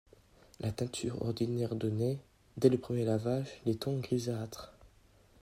La teinture ordinaire donnait, dès le premier lavage, des tons grisâtres.